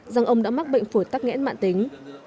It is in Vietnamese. rằng ông đã mắc bệnh phổi tắc nghẽn mạng tính